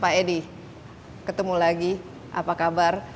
pak edi ketemu lagi apa kabar